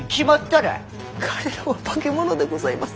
彼らは化け物でございます。